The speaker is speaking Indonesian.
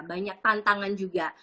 banyak tantangan juga